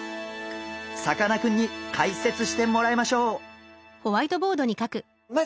さかなクンに解説してもらいましょう！